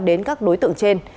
đến các đối tượng trên